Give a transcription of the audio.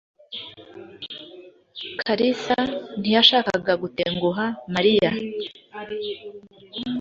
Kalisa ntiyashakaga gutenguha Mariya.